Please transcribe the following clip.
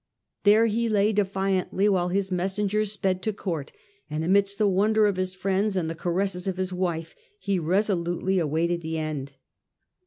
There he lay defiantly while his messenger sped to Courts and amidst the wonder of his friends and the caresses of his wife he resolutely awaited the end.